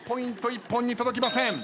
一本に届きません。